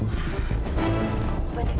suara apa itu kak